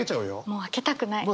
もう開けたくない。